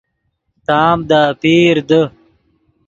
تام دے اپیر دے